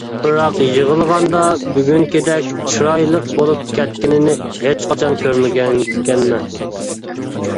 بىراق يىغلىغاندا بۈگۈنكىدەك چىرايلىق بولۇپ كەتكىنىنى ھېچقاچان كۆرمىگەنكەنمەن.